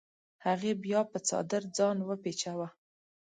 هغې بیا په څادر ځان وپیچوه.